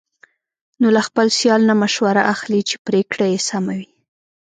نو له خپل سیال نه مشوره اخلي، چې پرېکړه یې سمه وي.